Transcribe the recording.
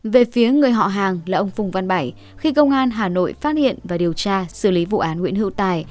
về phía người họ hàng là ông phùng văn bảy khi công an hà nội phát hiện và điều tra xử lý vụ án nguyễn hữu tài